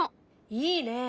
いいね。